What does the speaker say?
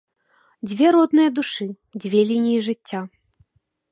Дзве родныя душы, дзве лініі жыцця.